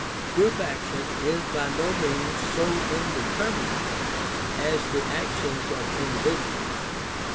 Group action is by no means so indeterminate as the actions of individuals.